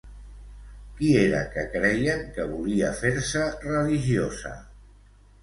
Qui era que creien que volia fer-se religiosa?